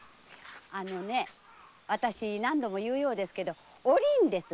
あのね私何度も言うようですが「お凛」です。